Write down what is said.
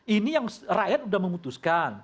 ini yang rakyat sudah memutuskan